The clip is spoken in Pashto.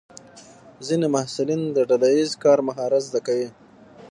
ځینې محصلین د ډله ییز کار مهارت زده کوي.